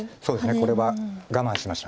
これは我慢しました。